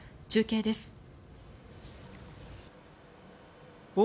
中継です。